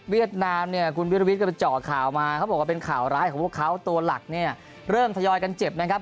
เวียดนามคุณวิราวิตก็จะเจาะข่าวมาเป็นข่าวร้ายของพวกเขาตัวหลักเริ่มทยอยกันเจ็บนะครับ